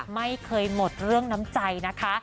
ไม่เคยหมดเรื่องน้ำใจนะคะ